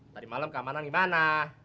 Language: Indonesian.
tadi malem keamanan gimana